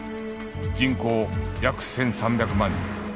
人口約１３００万人